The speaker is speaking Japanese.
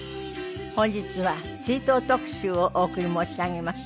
本日は追悼特集をお送り申し上げます。